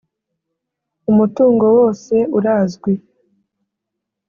umutungo wose urazwi.